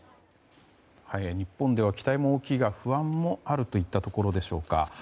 日本では期待も大きいが不安もあるといったところでしょうか。